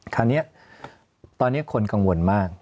คราวนี้ตอนนี้คนกังวลมาก